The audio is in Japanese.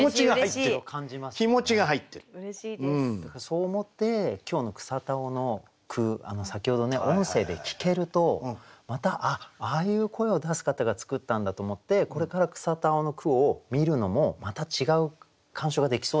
そう思って今日の草田男の句先ほどのね音声で聞けるとまた「あっああいう声を出す方が作ったんだ」と思ってこれから草田男の句を見るのもまた違う鑑賞ができそうだなと思って。